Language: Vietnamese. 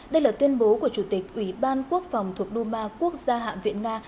đây là tuyên bố của chủ tịch ủy ban quốc phòng thuộc đu ma quốc gia hạng viện nga